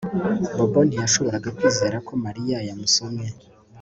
Bobo ntiyashoboraga kwizera ko Mariya yamusomye